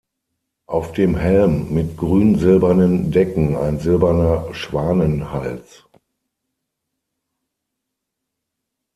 Auf dem Helm mit grün-silbernen Decken ein silberner Schwanenhals.